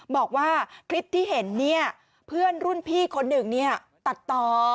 บอกว่าคลิปที่เห็นเนี่ยเพื่อนรุ่นพี่คนหนึ่งตัดต่อ